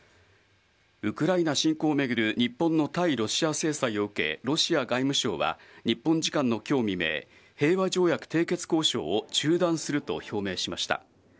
ウクライナ侵攻を巡る日本の対ロシア制裁を受け、ロシア外務省は、日本時間のきょう未明、平和条約締結交渉を中断すると表明しました。